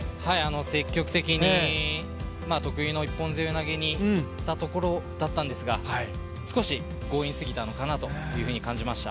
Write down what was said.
積極的に得意の一本背負投にいったところだったんですが少し強引すぎたのかなというふうに感じました。